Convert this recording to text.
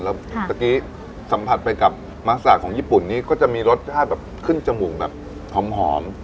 แล้วเมื่อกี้สัมผัสไปกับมัสของญี่ปุ่นนี้ก็จะมีรสชาติแบบขึ้นจมูกแบบหอม